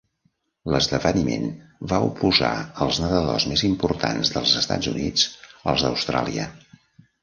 L'esdeveniment va oposar els nedadors més importants dels Estats Units als d'Austràlia.